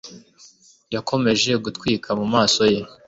yakomeje gutwika mumaso ye